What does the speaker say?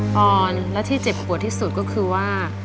ออนและที่เจ็บปวดที่สุดก็คือว่า